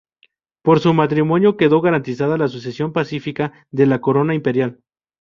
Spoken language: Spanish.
Por su matrimonio, quedó garantizada la sucesión pacífica de la corona imperial.